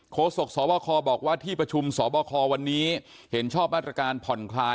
โศกสบคบอกว่าที่ประชุมสบควันนี้เห็นชอบมาตรการผ่อนคลาย